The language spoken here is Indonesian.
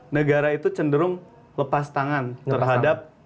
negara itu cenderung lepas tangan terhadap